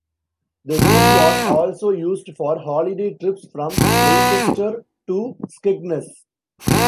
The route was also used for holiday trips from Leicester to Skegness.